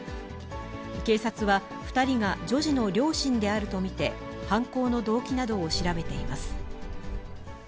警察は、２人が女児の両親であると見て、犯行の動機などを調べています。